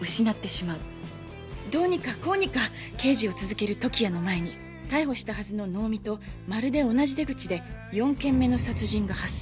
どうにかこうにか刑事を続ける時矢の前に逮捕したはずの能見とまるで同じ手口で４件目の殺人が発生